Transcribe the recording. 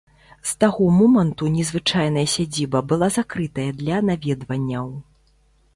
З таго моманту незвычайная сядзіба была закрытая для наведванняў.